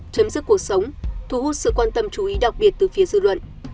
chấm dứt cuộc sống thu hút sự quan tâm chú ý đặc biệt từ phía dư luận